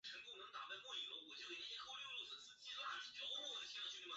学者对于为何石狮子摆法不同于传统男左女右的摆法有三种推论。